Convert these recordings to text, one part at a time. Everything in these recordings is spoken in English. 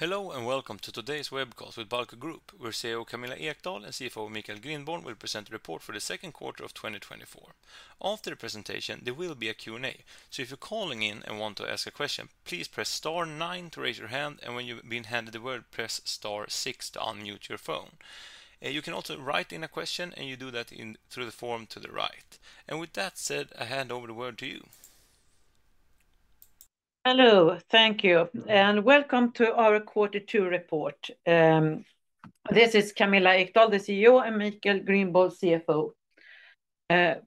Hello, and welcome to today's webcast with Balco Group, where CEO Camilla Ekdahl and CFO Michael Grindborn will present the report for the Q2 of 2024. After the presentation, there will be a Q&A. So if you're calling in and want to ask a question, please press star nine to raise your hand, and when you've been handed the word, press star six to unmute your phone. You can also write in a question, and you do that through the form to the right. With that said, I hand over the word to you. Hello. Thank you, and welcome to our Q2 report. This is Camilla Ekdahl, the CEO, and Michael Grindborn, CFO.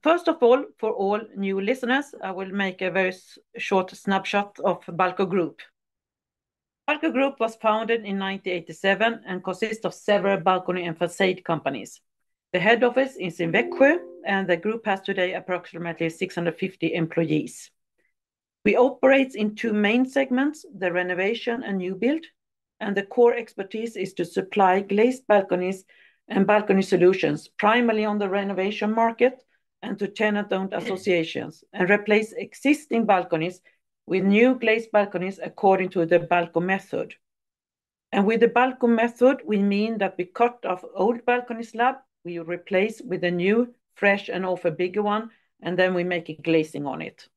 First of all, for all new listeners, I will make a very short snapshot of Balco Group. Balco Group was founded in 1987 and consists of several balcony and facade companies. The head office is in Växjö, and the group has today approximately 650 employees. We operate in two main segments, the renovation and new build, and the core expertise is to supply glazed balconies and balcony solutions, primarily on the renovation market and to tenant-owned associations, and replace existing balconies with new glazed balconies according to the Balco method. And with the Balco method, we mean that we cut off old balcony slab, we replace with a new, fresh, and often bigger one, and then we make a glazing on it.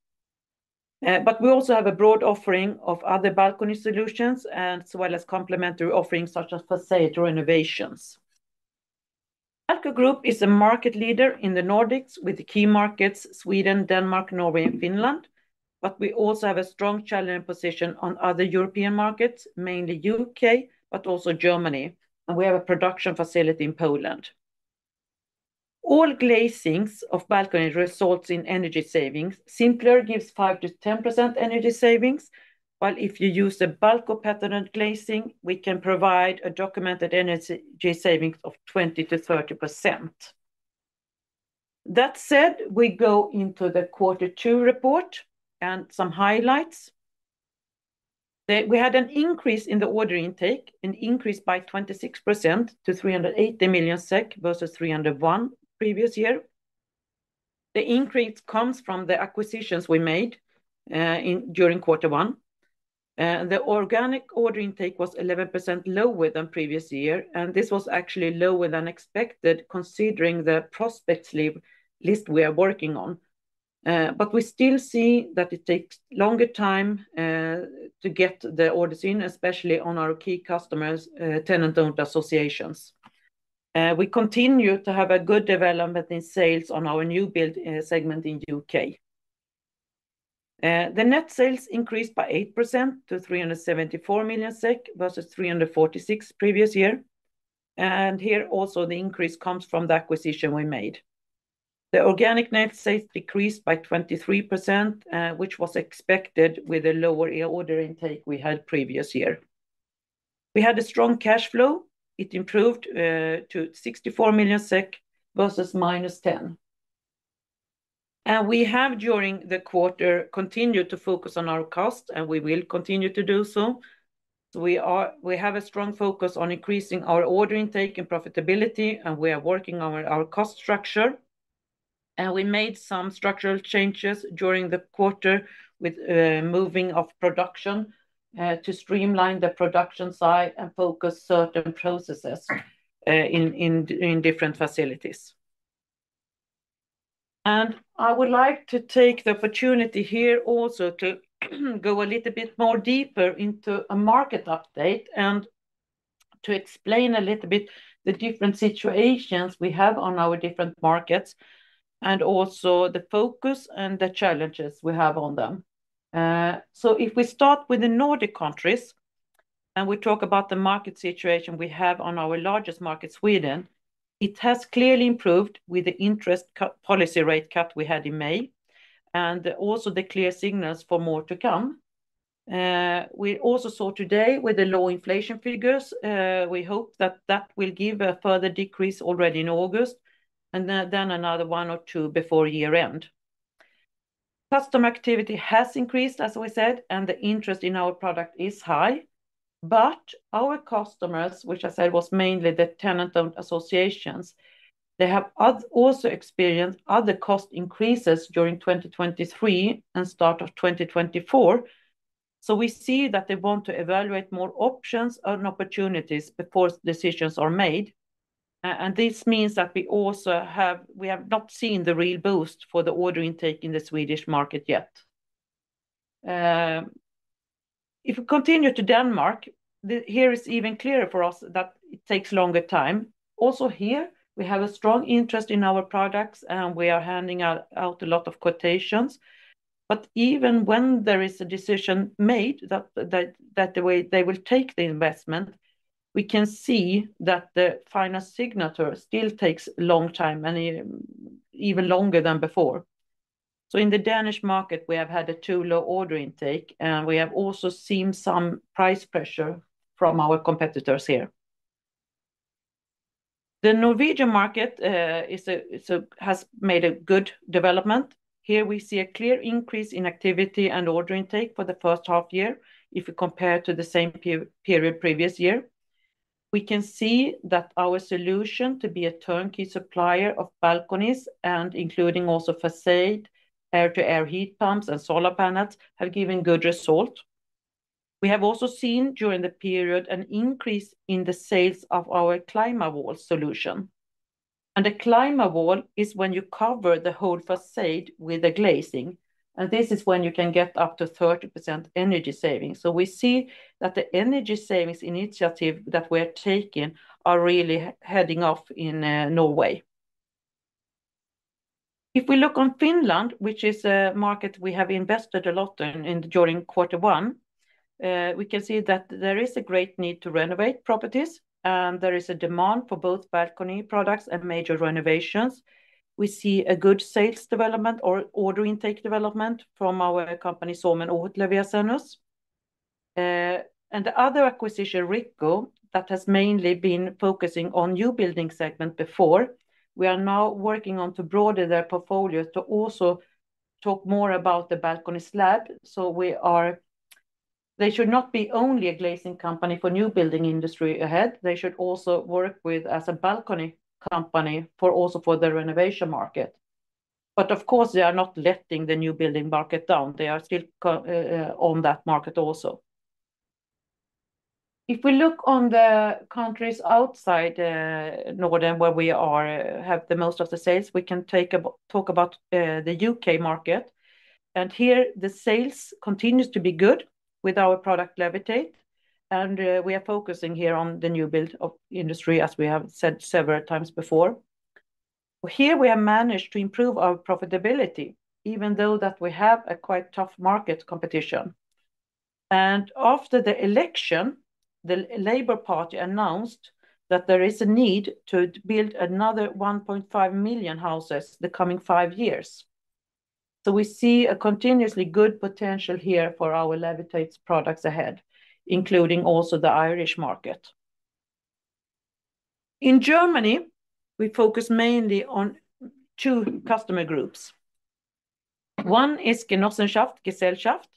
But we also have a broad offering of other balcony solutions, and as well as complementary offerings, such as façade renovations. Balco Group is a market leader in the Nordics with the key markets, Sweden, Denmark, Norway, and Finland, but we also have a strong challenging position on other European markets, mainly UK, but also Germany, and we have a production facility in Poland. All glazings of balconies result in energy savings. Simpler, gives 5%-10% energy savings, while if you use a Balco patented glazing, we can provide a documented energy savings of 20%-30%. That said, we go into the Q2 report and some highlights. We had an increase in the order intake, an increase by 26% to 380 million SEK versus 301 million previous year. The increase comes from the acquisitions we made during quarter one. The organic order intake was 11% lower than previous year, and this was actually lower than expected, considering the prospects list we are working on. But we still see that it takes longer time to get the orders in, especially on our key customers, tenant-owned associations. We continue to have a good development in sales on our new build segment in U.K. The net sales increased by 8% to 374 million SEK versus 346 million previous year. Here also, the increase comes from the acquisition we made. The organic net sales decreased by 23%, which was expected with a lower order intake we had previous year. We had a strong cash flow. It improved to 64 million SEK versus -10 million. We have, during the quarter, continued to focus on our cost, and we will continue to do so. We have a strong focus on increasing our order intake and profitability, and we are working on our cost structure. We made some structural changes during the quarter with moving of production to streamline the production side and focus certain processes in different facilities. I would like to take the opportunity here also to go a little bit more deeper into a market update and to explain a little bit the different situations we have on our different markets and also the focus and the challenges we have on them. If we start with the Nordic countries, and we talk about the market situation we have on our largest market, Sweden, it has clearly improved with the interest cut, policy rate cut we had in May, and also the clear signals for more to come. We also saw today with the low inflation figures, we hope that that will give a further decrease already in August and then another one or two before year-end. Customer activity has increased, as we said, and the interest in our product is high. But our customers, which I said was mainly the tenant-owned associations, they have also experienced other cost increases during 2023 and start of 2024. So we see that they want to evaluate more options and opportunities before decisions are made. And this means that we also have we have not seen the real boost for the order intake in the Swedish market yet. If we continue to Denmark, here, it's even clearer for us that it takes longer time. Also here, we have a strong interest in our products, and we are handing out a lot of quotations. But even when there is a decision made that the way they will take the investment, we can see that the final signature still takes a long time and even longer than before. So in the Danish market, we have had a too low order intake, and we have also seen some price pressure from our competitors here. The Norwegian market has made a good development. Here we see a clear increase in activity and order intake for the first half year if we compare to the same period previous year. We can see that our solution to be a turnkey supplier of balconies and including also facade, air-to-air heat pumps, and solar panels have given good result. We have also seen during the period an increase in the sales of our Climate Wall solution, and a Climate Wall is when you cover the whole facade with a glazing, and this is when you can get up to 30% energy savings. So we see that the energy savings initiative that we're taking are really heading off in Norway. If we look on Finland, which is a market we have invested a lot in during quarter one, we can see that there is a great need to renovate properties, and there is a demand for both balcony products and major renovations. We see a good sales development or order intake development from our company, Suomen Ohutlevyasennus Oy, and the other acquisition, Riikku, that has mainly been focusing on new building segment before. We are now working on to broaden their portfolio to also talk more about the balcony slab. So they should not be only a glazing company for new building industry ahead, they should also work with as a balcony company for also for the renovation market. But of course, they are not letting the new building market down. They are still on that market also. If we look on the countries outside Norden, where we are, have the most of the sales, we can take talk about the UK market, and here the sales continues to be good with our product, Levitate, and we are focusing here on the new build of industry, as we have said several times before. Here, we have managed to improve our profitability, even though that we have a quite tough market competition. And after the election, the Labour Party announced that there is a need to build another 1.5 million houses the coming five years. So we see a continuously good potential here for our Levitate products ahead, including also the Irish market. In Germany, we focus mainly on two customer groups. One is Genossenschaft Gesellschaft,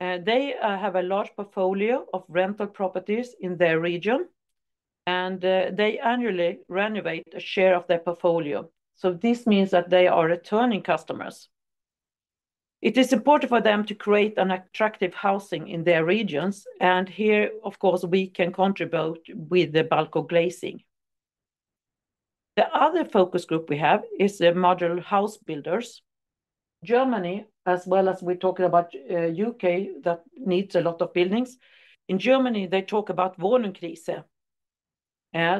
and they have a large portfolio of rental properties in their region, and they annually renovate a share of their portfolio. So this means that they are returning customers. It is important for them to create an attractive housing in their regions, and here, of course, we can contribute with the Balco glazing. The other focus group we have is the modular house builders. Germany, as well as we're talking about, U.K., that needs a lot of buildings. In Germany, they talk about Wohnungsbaukrise,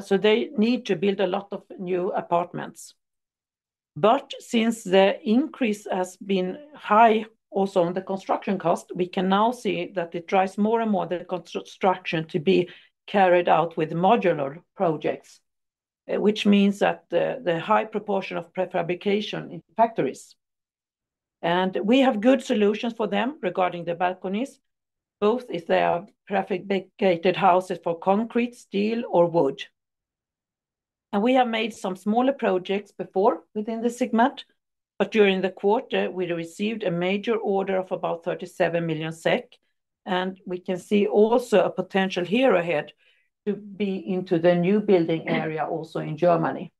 so they need to build a lot of new apartments. But since the increase has been high also on the construction cost, we can now see that it drives more and more the construction to be carried out with modular projects, which means that the high proportion of prefabrication in factories. We have good solutions for them regarding the balconies, both if they are prefabricated houses for concrete, steel or wood. We have made some smaller projects before within the segment, but during the quarter we received a major order of about 37 million SEK, and we can see also a potential here ahead to be into the new building area, also in Germany.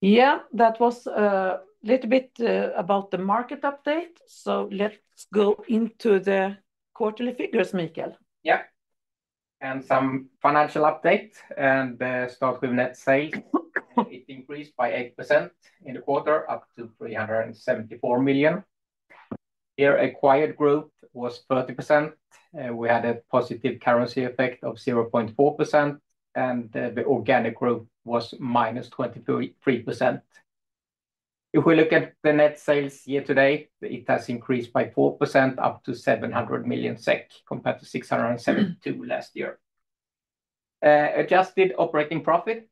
Yeah, that was little bit about the market update, so let's go into the quarterly figures, Michael. Yeah, some financial update and start with net sales. It increased by 8% in the quarter, up to 374 million. Here, acquired growth was 30%, we had a positive currency effect of 0.4%, and the organic growth was -23%. If we look at the net sales year-to-date, it has increased by 4%, up to 700 million SEK, compared to 672 million last year. Adjusted operating profit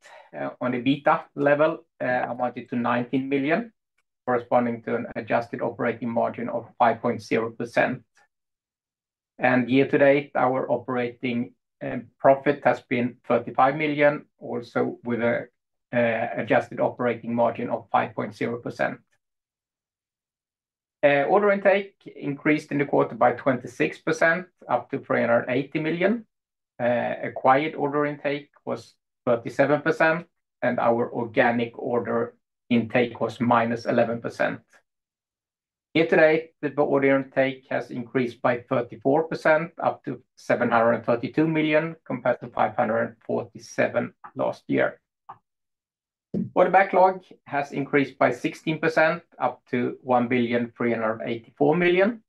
on an EBITDA level amounted to 19 million, corresponding to an adjusted operating margin of 5.0%. Year-to-date, our operating profit has been 35 million, also with an adjusted operating margin of 5.0%. Order intake increased in the quarter by 26%, up to 380 million. Acquired order intake was 37%, and our organic order intake was -11%. Year-to-date, the order intake has increased by 34%, up to 732 million, compared to 547 million last year. Order backlog has increased by 16%, up to 1,384 million,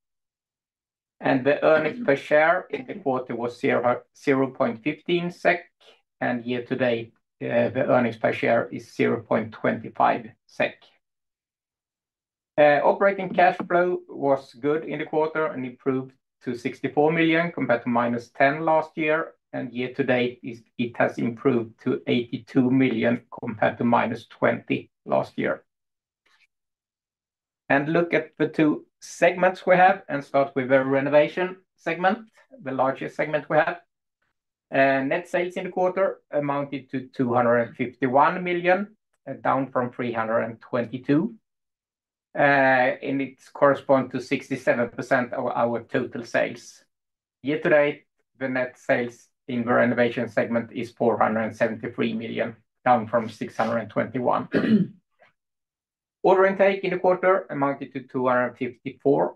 and the earnings per share in the quarter was 0.15 SEK, and year-to-date, the earnings per share is 0.25 SEK. Operating cash flow was good in the quarter and improved to 64 million, compared to -10 million last year, and year-to-date, it has improved to 82 million, compared to -20 million last year. And look at the two segments we have, and start with the renovation segment, the largest segment we have. Net sales in the quarter amounted to 251 million, down from 322 million, and it corresponds to 67% of our total sales. Year to date, the net sales in the renovation segment is 473 million, down from 621 million. Order intake in the quarter amounted to 254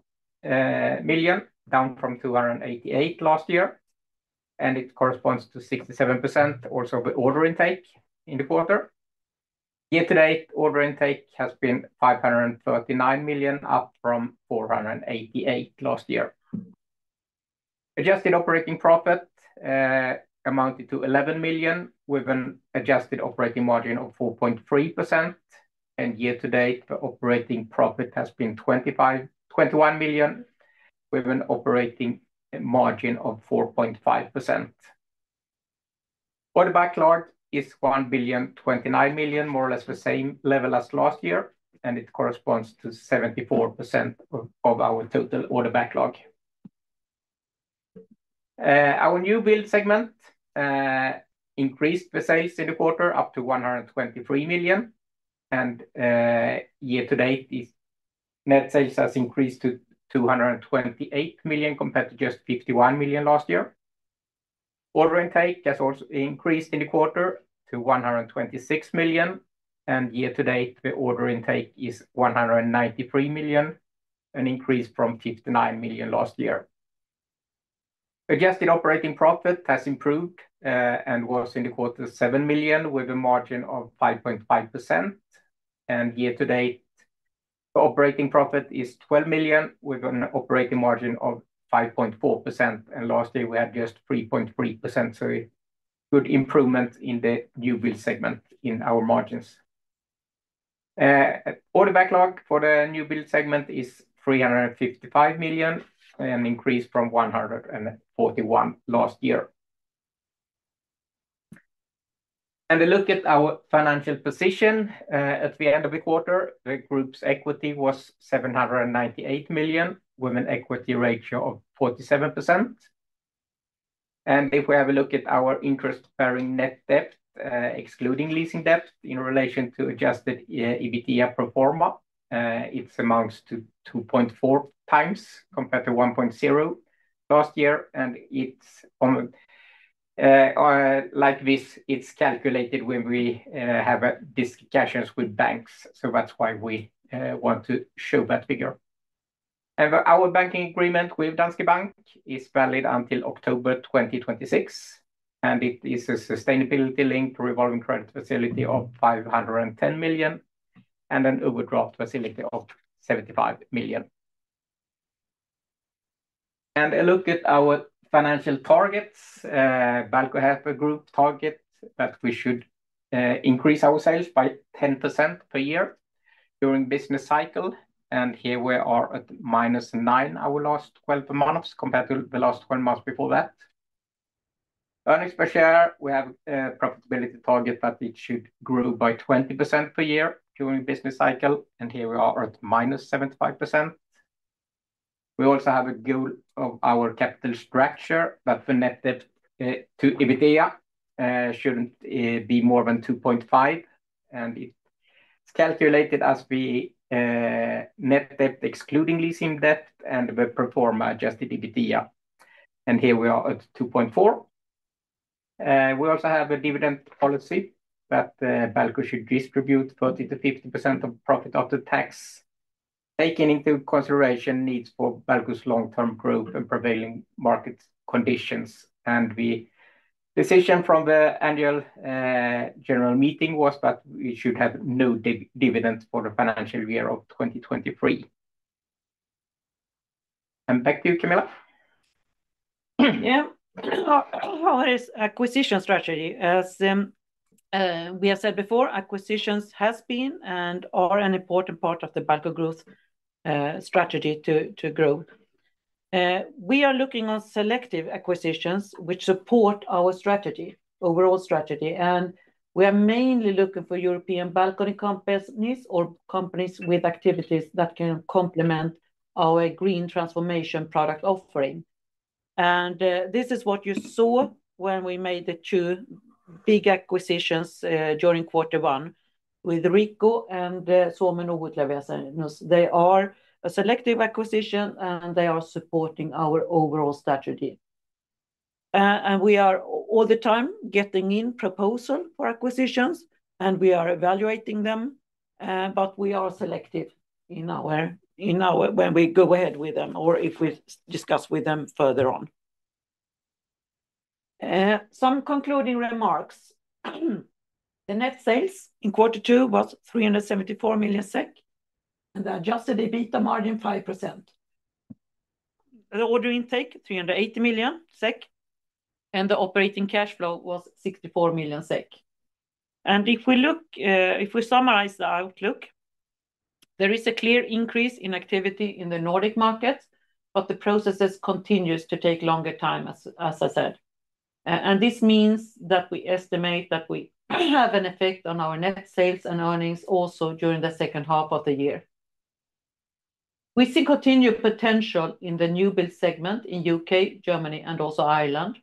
million, down from 288 million last year, and it corresponds to 67% also of the order intake in the quarter. Year to date, order intake has been 539 million, up from 488 million last year. Adjusted operating profit amounted to 11 million, with an adjusted operating margin of 4.3%, and year to date, the operating profit has been 21 million, with an operating margin of 4.5%. Order backlog is 1,029 million, more or less the same level as last year, and it corresponds to 74% of our total order backlog. Our new build segment increased the sales in the quarter up to 123 million, and year to date, this net sales has increased to 228 million, compared to just 51 million last year. Order intake has also increased in the quarter to 126 million, and year to date, the order intake is 193 million, an increase from 59 million last year. Adjusted operating profit has improved, and was in the quarter 7 million, with a margin of 5.5%, and year to date, the operating profit is 12 million. We've got an operating margin of 5.4%, and last year we had just 3.3%, so a good improvement in the new build segment in our margins. Order backlog for the new build segment is 355 million, an increase from 141 last year. A look at our financial position. At the end of the quarter, the group's equity was 798 million, with an equity ratio of 47%. If we have a look at our interest-bearing net debt, excluding leasing debt in relation to adjusted EBITDA pro forma, it amounts to 2.4 times compared to 1.0 last year, and it's on, like this, it's calculated when we have discussions with banks, so that's why we want to show that figure. Our banking agreement with Danske Bank is valid until October 2026, and it is a sustainability-linked revolving credit facility of 510 million and an overdraft facility of 75 million. A look at our financial targets, Balco has a group target that we should increase our sales by 10% per year during business cycle, and here we are at -9 our last twelve months compared to the last twelve months before that. Earnings per share, we have a profitability target that it should grow by 20% per year during business cycle, and here we are at -75%. We also have a goal of our capital structure, that the net debt to EBITDA shouldn't be more than 2.5, and it's calculated as the net debt, excluding leasing debt, and the pro forma adjusted EBITDA, and here we are at 2.4. We also have a dividend policy that Balco should distribute 30%-50% of profit after tax, taking into consideration needs for Balco's long-term growth and prevailing market conditions. And the decision from the annual general meeting was that we should have no dividend for the financial year of 2023. And back to you, Camilla. Yeah. Our acquisition strategy, as we have said before, acquisitions has been and are an important part of the Balco growth strategy to grow. We are looking on selective acquisitions which support our strategy, overall strategy, and we are mainly looking for European balcony companies or companies with activities that can complement our green transformation product offering. And this is what you saw when we made the two big acquisitions during quarter one with Riikku and the Suomen Ohutlevyasennus. They are a selective acquisition, and they are supporting our overall strategy. And we are all the time getting in proposal for acquisitions, and we are evaluating them, but we are selective in our when we go ahead with them or if we discuss with them further on. Some concluding remarks. The net sales in quarter two was 374 million SEK, and the adjusted EBITDA margin 5%. The order intake 380 million SEK, and the operating cash flow was 64 million SEK. If we look, if we summarize the outlook, there is a clear increase in activity in the Nordic markets, but the processes continues to take longer time, as I said. And this means that we estimate that we have an effect on our net sales and earnings also during the second half of the year. We see continued potential in the new build segment in UK, Germany, and also Ireland.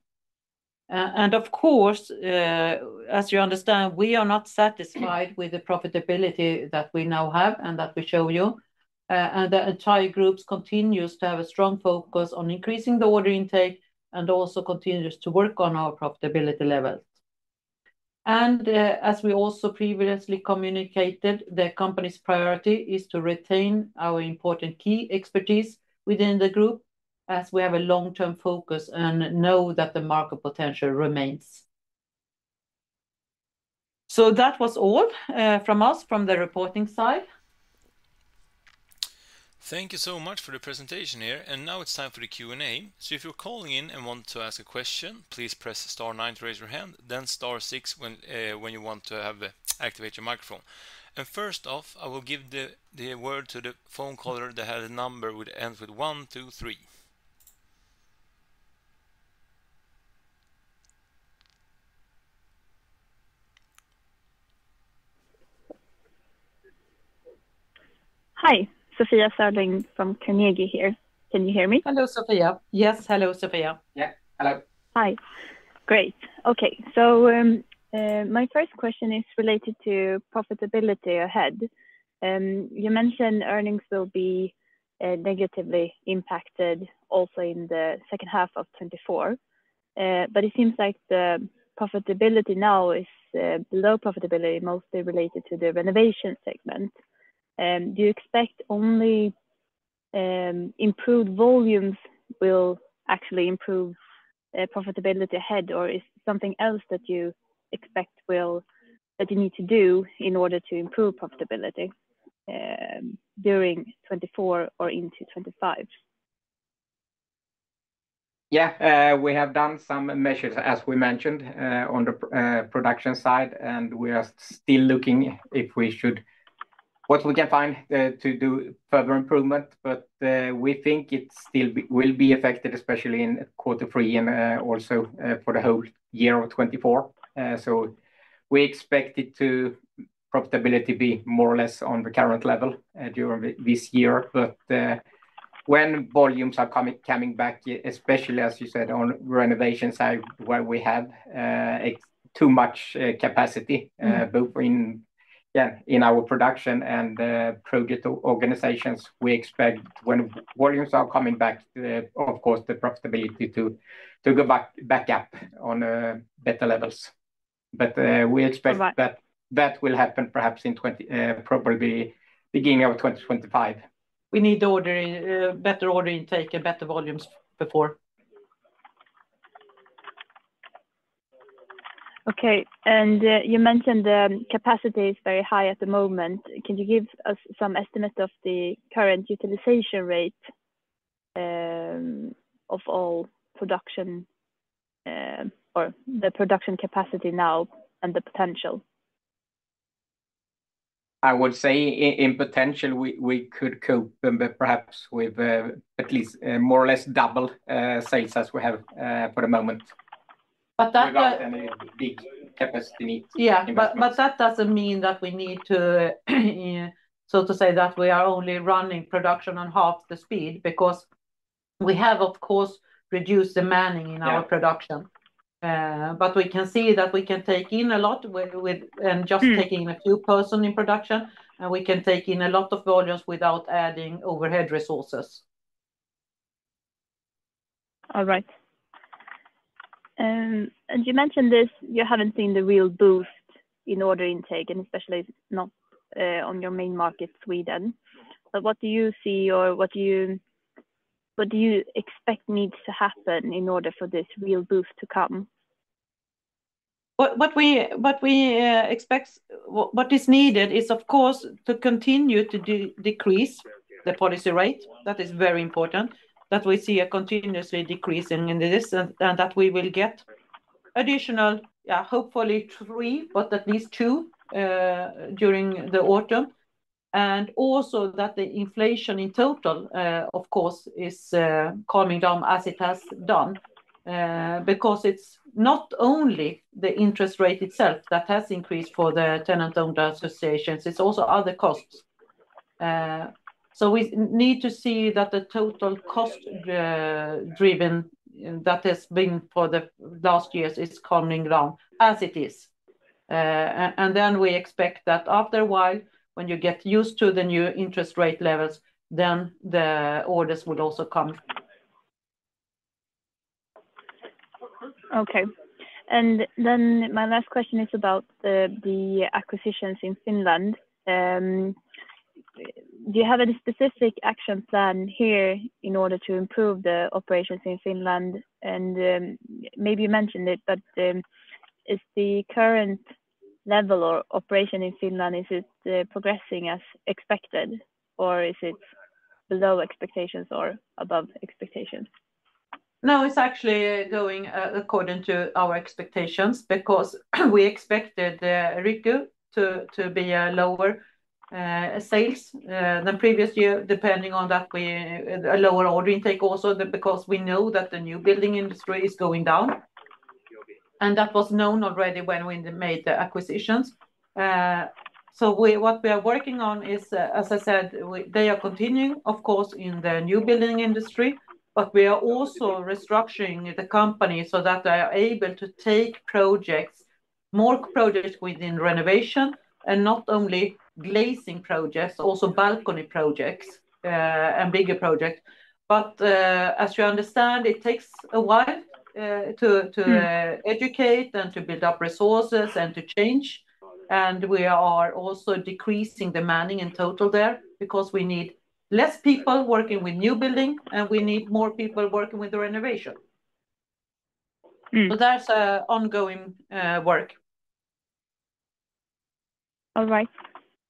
And of course, as you understand, we are not satisfied with the profitability that we now have and that we show you. The entire Group continues to have a strong focus on increasing the order intake, and also continues to work on our profitability levels. As we also previously communicated, the company's priority is to retain our important key expertise within the Group, as we have a long-term focus and know that the market potential remains. That was all, from us, from the reporting side. Thank you so much for the presentation here, and now it's time for the Q&A. So if you're calling in and want to ask a question, please press star nine to raise your hand, then star six when you want to have activate your microphone. First off, I will give the word to the phone caller that had a number with ends with 1, 2, 3. Hi, Sofia Sörling from Carnegie here. Can you hear me? Hello, Sofia. Yes, hello, Sofia. Yeah. Hello. Hi. Great. Okay. So, my first question is related to profitability ahead. You mentioned earnings will be negatively impacted also in the second half of 2024. But it seems like the profitability now is low profitability, mostly related to the renovation segment. Do you expect only improved volumes will actually improve profitability ahead, or is something else that you expect that you need to do in order to improve profitability during 2024 or into 2025? Yeah, we have done some measures, as we mentioned, on the production side, and we are still looking if we should—what we can find—to do further improvement. But we think it still be, will be affected, especially in quarter three and also for the whole year of 2024. So we expect it to profitability be more or less on the current level during this year. But when volumes are coming back, especially, as you said, on renovation side, where we have too much capacity, both in, yeah, in our production and project organizations, we expect when volumes are coming back, of course, the profitability to go back up on better levels. But we expect- All right... that, that will happen perhaps in 2020, probably beginning of 2025. We need the ordering, better order intake and better volumes before. Okay. And, you mentioned the capacity is very high at the moment. Can you give us some estimate of the current utilization rate, of all production, or the production capacity now and the potential? I would say in potential, we could cope, perhaps with at least more or less double sales as we have for the moment. But that, Without any big capacity. Yeah, but that doesn't mean that we need to, so to say, that we are only running production on half the speed, because we have, of course, reduced the manning in our- Yeah... production. But we can see that we can take in a lot with, with, just- Mm... taking a few persons in production, and we can take in a lot of volumes without adding overhead resources. All right. And you mentioned this, you haven't seen the real boost in order intake, and especially not, on your main market, Sweden. But what do you see or what do you expect needs to happen in order for this real boost to come? What we expect, what is needed is, of course, to continue to decrease the policy rate. That is very important, that we see a continuously decreasing in this, and that we will get additional, hopefully three, but at least two, during the autumn. And also, that the inflation in total, of course, is calming down as it has done. Because it's not only the interest rate itself that has increased for the tenant-owned associations, it's also other costs. So we need to see that the total cost driven that has been for the last years is calming down, as it is. And then we expect that after a while, when you get used to the new interest rate levels, then the orders would also come. Okay. And then my last question is about the acquisitions in Finland. Do you have any specific action plan here in order to improve the operations in Finland? And maybe you mentioned it, but is the current level or operation in Finland progressing as expected, or is it below expectations or above expectations? No, it's actually going according to our expectations, because we expected Riikku to be a lower sales than previous year, depending on that we... A lower order intake also, because we know that the new building industry is going down... and that was known already when we made the acquisitions. So what we are working on is, as I said, they are continuing, of course, in the new building industry, but we are also restructuring the company so that they are able to take projects, more projects within renovation, and not only glazing projects, also balcony projects, and bigger projects. But, as you understand, it takes a while to educate and to build up resources and to change. We are also decreasing the manning in total there, because we need less people working with new building, and we need more people working with the renovation. Mm. So that's ongoing work. All right.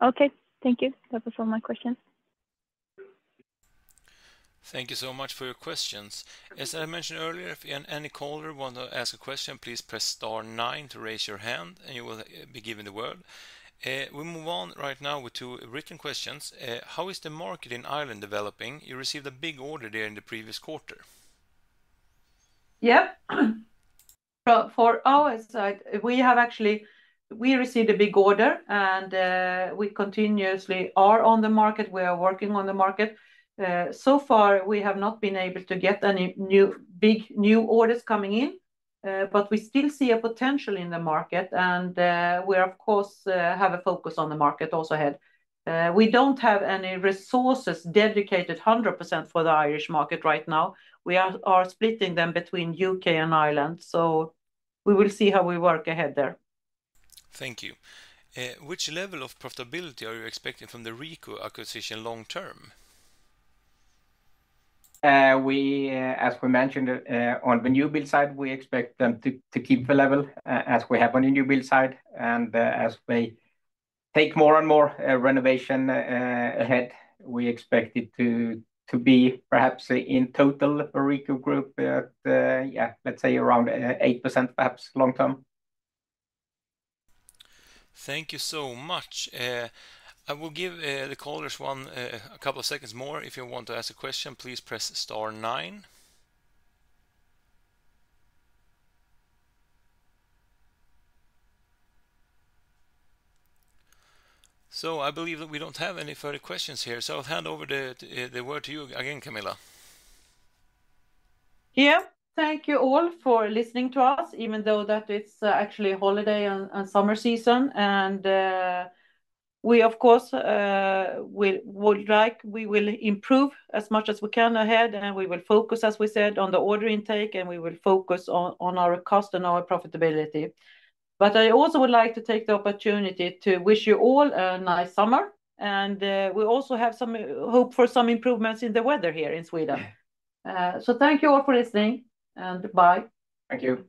Okay, thank you. That was all my questions. Thank you so much for your questions. As I mentioned earlier, if any caller want to ask a question, please press star nine to raise your hand, and you will be given the word. We move on right now with two written questions. How is the market in Ireland developing? You received a big order there in the previous quarter. Yeah. For our side, we have actually we received a big order, and we continuously are on the market. We are working on the market. So far, we have not been able to get any new, big, new orders coming in, but we still see a potential in the market, and we, of course, have a focus on the market also ahead. We don't have any resources dedicated 100% for the Irish market right now. We are splitting them between UK and Ireland, so we will see how we work ahead there. Thank you. Which level of profitability are you expecting from the Riikku acquisition long term? We, as we mentioned, on the new build side, we expect them to keep the level as we have on the new build side, and as we take more and more renovation ahead, we expect it to be perhaps in total a Riikku Group Oy, yeah, let's say around 8%, perhaps long term. Thank you so much. I will give the callers a couple of seconds more. If you want to ask a question, please press star nine. So I believe that we don't have any further questions here, so I'll hand over the word to you again, Camilla. Yeah. Thank you all for listening to us, even though that it's actually a holiday and summer season, and we, of course, would like—we will improve as much as we can ahead, and we will focus, as we said, on the order intake, and we will focus on our cost and our profitability. But I also would like to take the opportunity to wish you all a nice summer, and we also have some hope for some improvements in the weather here in Sweden. So thank you all for listening, and bye. Thank you.